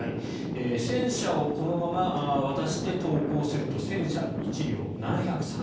戦車をこのまま渡して投降すると戦車１両７３０万円。